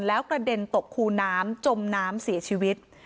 แล้วกระเด็นตกคูน้ำจมน้ำเสียชีวิต